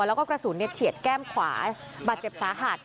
แล้วก็กระสุนเฉียดแก้มขวาบาดเจ็บสาหัส